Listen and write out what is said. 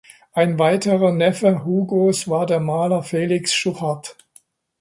Ein weiterer Neffe Hugos war der Maler Felix Schuchard.